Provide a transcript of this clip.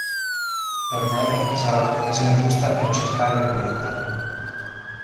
Per Marek sarà l'occasione giusta per cercare vendetta.